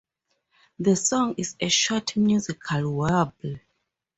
The song is a short musical warble.